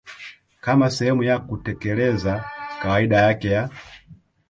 kama sehemu ya kutekeleza kawaida yake ya